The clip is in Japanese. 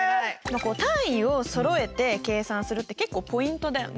単位をそろえて計算するって結構ポイントだよね。